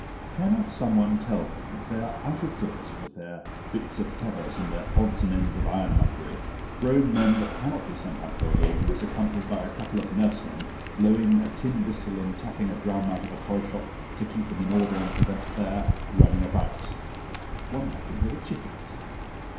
Cannot someone tell them they are out of date, with their bits of feathers and their odds and ends of ironmongery—grown men that cannot be sent out for a walk unless accompanied by a couple of nursemen, blowing a tin whistle and tapping a drum out of a toy shop to keep them in order and prevent their running about: one might think they were chickens.